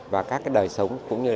và các đời sống cũng như